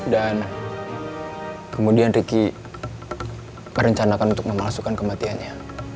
dan kemudian riki berencanakan untuk memalsukan kematiannya